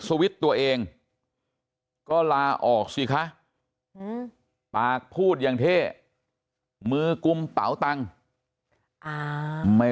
สวิตช์ตัวเองก็ลาออกสิคะปากพูดอย่างเท่มือกุมเป๋าตังค์ไม่